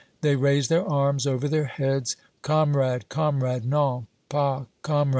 They raise their arms over their heads "Kam'rad, Kam'rad!" "Non, pas Kam'rad!"